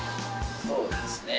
そうですね。